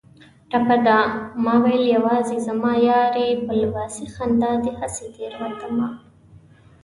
ټپه ده: ماوېل یوازې زما یار یې په لباسي خندا دې هسې تېروتمه